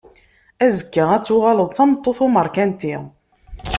Azekka ad tuɣaleḍ d tameṭṭut n umarkanti.